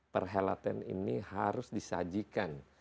perhelatan ini harus disajikan